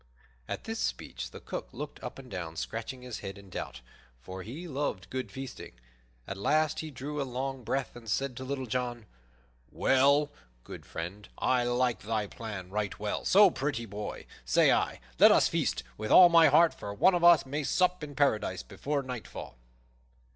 At this speech the Cook looked up and down, scratching his head in doubt, for he loved good feasting. At last he drew a long breath and said to Little John, "Well, good friend, I like thy plan right well; so, pretty boy, say I, let us feast, with all my heart, for one of us may sup in Paradise before nightfall."